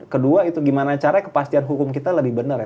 kedua itu gimana cara kepastian hukum kita lebih benar ya